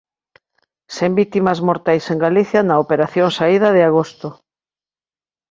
Sen vítimas mortais en Galicia na "operación saída" de agosto